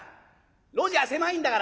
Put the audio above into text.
路地は狭いんだから。